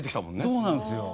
そうなんですよ。